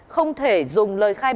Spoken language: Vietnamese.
không thể dùng lời khai báo